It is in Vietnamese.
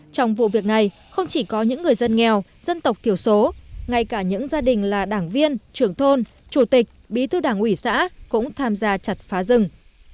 trong vụ việc này không chỉ có những người dân nghèo dân tộc thiểu số ngay cả những gia đình là đảng viên trưởng thôn chủ tịch bí thư đảng ủy xã cũng tham gia chặt phá rừng